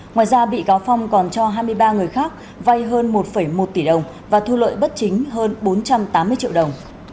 ngoài ra bị cáo phong còn cho hai mươi ba người khác vay hơn một một tỷ đồng và thu lợi bất chính hơn bốn trăm tám mươi triệu đồng